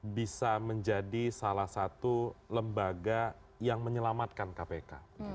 bisa menjadi salah satu lembaga yang menyelamatkan kpk